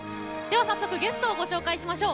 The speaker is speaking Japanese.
早速、ゲストをご紹介しましょう。